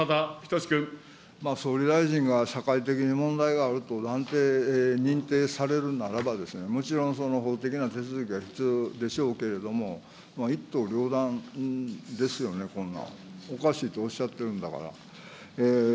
総理大臣が社会的に問題があると断定、認定されるならばですね、もちろんその法的な手続きは必要でしょうけれども、一刀両断ですよね、こんなん、おかしいとおっしゃっているんだから。